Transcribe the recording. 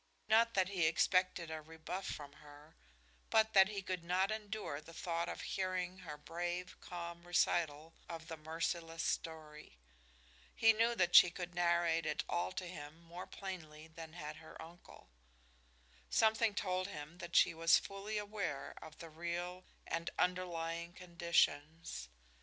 Not that he expected a rebuff from her, but that he could not endure the thought of hearing her brave, calm recital of the merciless story. He knew that she could narrate it all to him more plainly than had her uncle. Something told him that she was fully aware of the real and underlying conditions.